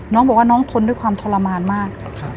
น้องบอกว่าน้องทนด้วยความทรมานมาก